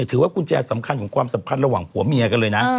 ถือว่ากุญแจสำคัญของความสัมพันธ์ระหว่างผัวเมียกันเลยนะ